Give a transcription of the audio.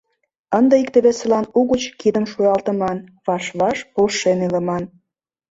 Ынде икте-весылан угыч кидым шуялтыман, ваш-ваш полшен илыман.